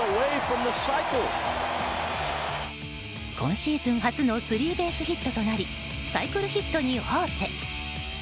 今シーズン初のスリーベースヒットとなりサイクルヒットに王手。